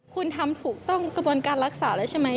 คุณทำถูกต้องกระบวนการรักษาแล้วใช่ไหม